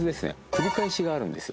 繰り返しがあるんですよ。